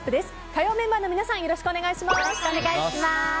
火曜メンバーの皆さんよろしくお願いします。